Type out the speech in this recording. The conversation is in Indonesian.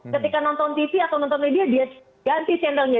ketika nonton tv atau nonton media dia ganti channelnya